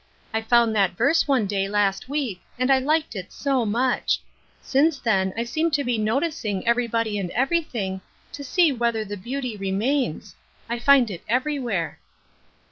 I found that verse one day last week, and I liked it so much. Since then I seem to be noticing everybody and everything, to see whether the beauty remains. I find it every where."